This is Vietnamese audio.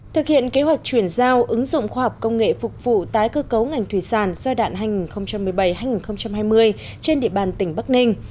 thực hiện kế hoạch chuyển giao ứng dụng khoa học công nghệ phục vụ tái cơ cấu ngành thủy sản giai đoạn hai nghìn một mươi bảy hai nghìn hai mươi trên địa bàn tỉnh bắc ninh